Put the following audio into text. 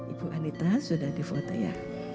ibu anita sudah di foto ya